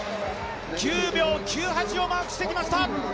９秒９８をマークしてきました。